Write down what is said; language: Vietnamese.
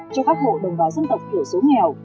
cho các hộ đồng bào dân tộc thiểu số nghèo